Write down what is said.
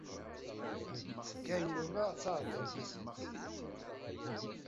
Seg-a ay nnummeɣ ssaɣeɣ-d irkasen.